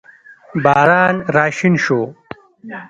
باران راشین شو